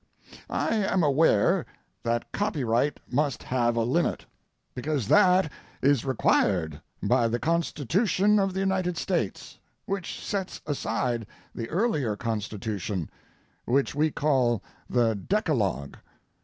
I am aware that copyright must have a limit, because that is required by the Constitution of the United States, which sets aside the earlier Constitution, which we call the decalogue.